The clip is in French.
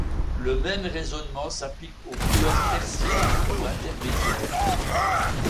Le même raisonnement s'applique aux couleurs tertiaires ou intermédiaires.